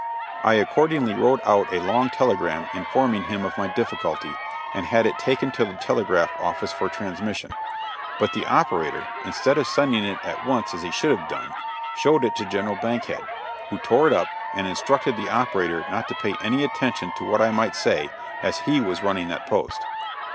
I accordingly wrote out a long telegram informing him of my difficulty, and had it taken to the telegraph office for transmission; but the operator, instead of sending it at once as he should have done, showed it to General Bankhead, who tore it up, and instructed the operator not to pay any attention to what I might say, as he was running that post.